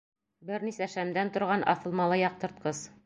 Бер нисә шәмдән торған аҫылмалы яҡтыртҡыс.